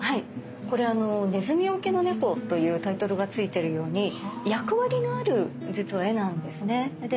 これ「鼠よけの猫」というタイトルが付いてるように役割のある実は絵なんですね。